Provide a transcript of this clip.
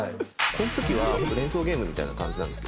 この時は本当連想ゲームみたいな感じなんですけど。